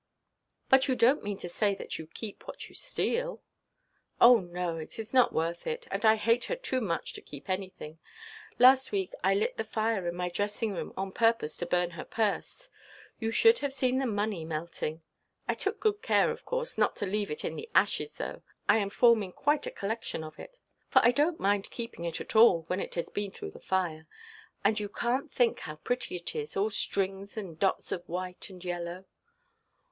"But you donʼt mean to say that you keep what you steal?" "Oh no; it is not worth it. And I hate her too much to keep anything. Last week I lit the fire in my dressing–room, on purpose to burn her purse. You should have seen the money melting. I took good care, of course, not to leave it in the ashes, though. I am forming quite a collection of it; for I donʼt mind keeping it at all, when it has been through the fire. And you canʼt think how pretty it is, all strings and dots of white and yellow."